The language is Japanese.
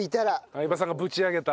相葉さんがぶち上げた。